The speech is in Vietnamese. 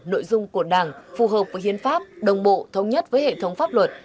nội dung của đảng phù hợp với hiến pháp đồng bộ thống nhất với hệ thống pháp luật